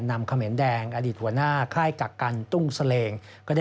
นำขเมรดแดงอดิตหัวหน้าค่ายกักันตู้งสเลงก็ได้